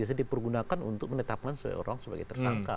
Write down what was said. biasanya dipergunakan untuk menetapkan orang sebagai tersangka